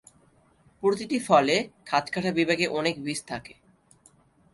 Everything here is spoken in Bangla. প্রতিটি ফলে খাঁজকাটা বিভাগে অনেক বীজ থাকে।